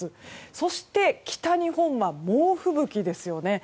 そして北日本は猛吹雪ですよね。